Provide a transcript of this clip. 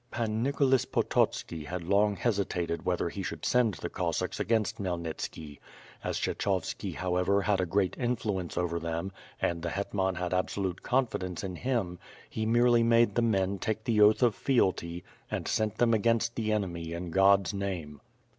Pan Nicholas Pototski had long hesitated whether he should send the Cossacks against Khymelnitski. As Kshe chovski however had a great influence over them and the hetman had absolute confidence in him, he merely made the men take the oath of fealty and sent them against the enemy in God's name.